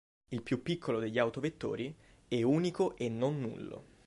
Il più piccolo degli autovettori è unico e non nullo.